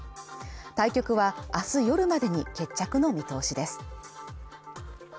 対局は明日夜までに決着の見通しです